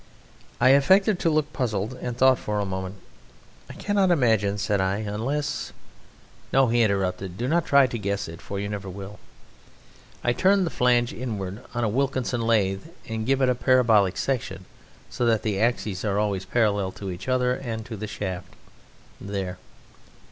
I affected to look puzzled, and thought for a moment. "I cannot imagine," said I, "unless " "No," he interrupted, "do not try to guess it, for you never will. I turn the flange inward on a Wilkinson lathe and give it a parabolic section so that the axes are always parallel to each other and to the shaft.... There!"